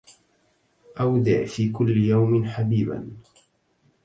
أودع في كل يوم حبيبا